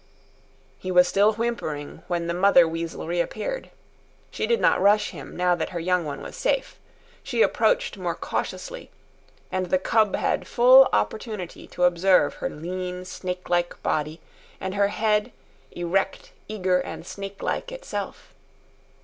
He was still whimpering when the mother weasel reappeared. She did not rush him, now that her young one was safe. She approached more cautiously, and the cub had full opportunity to observe her lean, snakelike body, and her head, erect, eager, and snake like itself.